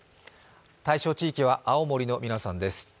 対象地域は青森の皆さんです。